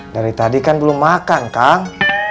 dari tadi kan belum makan kang